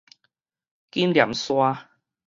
緊黏沙